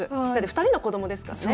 ２人の子どもですからね。